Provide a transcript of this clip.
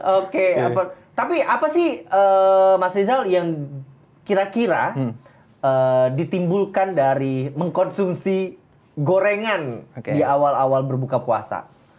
oke tapi apa sih mas rizal yang kira kira ditimbulkan dari mengkonsumsi gorengan di awal awal berbuka puasa